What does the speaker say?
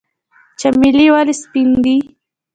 چمیلی ولې سپین دی؟